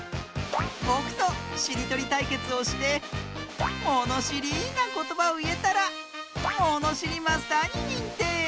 ぼくとしりとりたいけつをしてものしりなことばをいえたらものしりマスターににんてい！